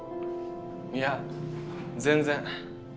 いや全然。